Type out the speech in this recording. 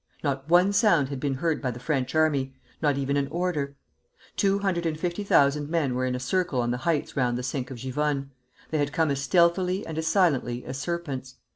Not one sound had been heard by the French army, not even an order. Two hundred and fifty thousand men were in a circle on the heights round the Sink of Givonne. They had come as stealthily and as silently as serpents.